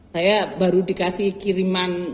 saya baru dikasih kiriman